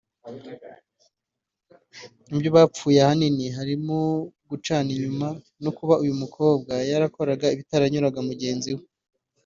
Mu byo bapfuye ahanini harimo gucana inyuma no kuba uyu mukobwa yarakoraga ibitaranyuraga mugenzi we